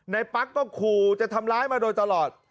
ปั๊กก็ขู่จะทำร้ายมาโดยตลอด